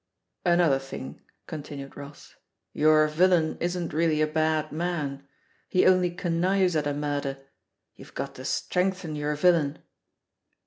"Another thing," continued Ross, "your vil lain isn't really a bad man, he only connives at a murder — ^you've got to strengthen your vil lain."